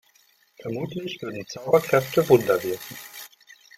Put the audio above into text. Vermutlich würden Zauberkräfte Wunder wirken.